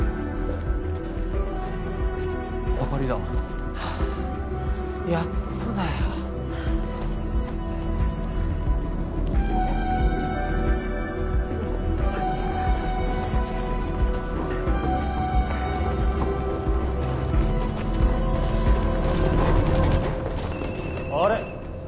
明かりだはあやっとだよあれ？